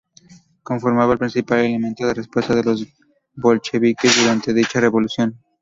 Conformaba el principal elemento de respuesta de los bolcheviques durante dicha revolución.